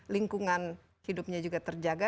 lingkungan hidupnya juga terjaga